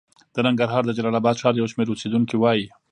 د ننګرهار د جلال اباد ښار یو شمېر اوسېدونکي وايي